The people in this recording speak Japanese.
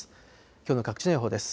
きょうの各地の予報です。